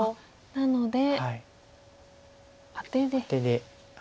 なのでアテで。